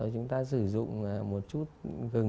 chúng ta sử dụng một chút gừng